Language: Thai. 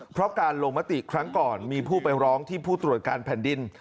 เพราะการลงมติครั้งก่อนมีผู้ไปร้องที่ผู้ตรวจการแผ่นดิน